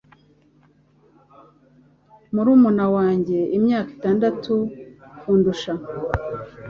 Murumuna wanjye imyaka itandatu kundusha.